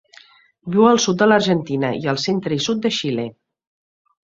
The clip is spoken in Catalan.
Viu al sud de l'Argentina i el centre i sud de Xile.